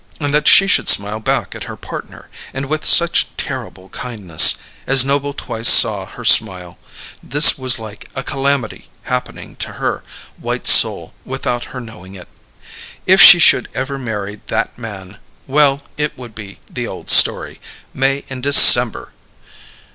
And that she should smile back at her partner, and with such terrible kindness as Noble twice saw her smile this was like a calamity happening to her white soul without her knowing it. If she should ever marry that man well, it would be the old story: May and December!